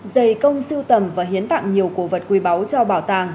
giày công sưu tầm và hiến tặng nhiều cổ vật quý báu cho bảo tàng